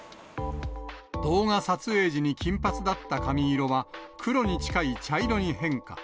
動画撮影時に金髪だった髪色は、黒に近い茶色に変化。